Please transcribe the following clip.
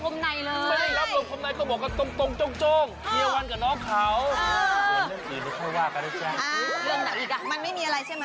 ไม่เห็นยากเลยก็แจกทุกวัน